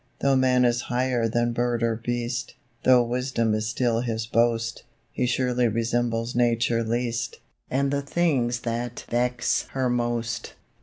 Though man is higher than bird or beast, Though wisdom is still his boast, He surely resembles Nature least, And the things that vex her most.